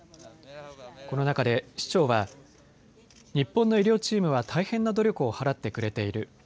この中で市長は日本の医療チームは大変な努力を払ってくれている。